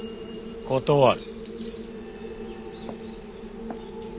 断る。